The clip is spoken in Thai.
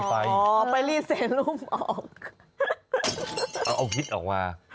เอาพิษออกมา